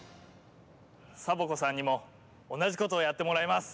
サボ子さんにもおなじことをやってもらいます！